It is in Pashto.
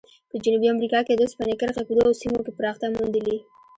په جنوبي امریکا کې د اوسپنې کرښې په دوو سیمو کې پراختیا موندلې.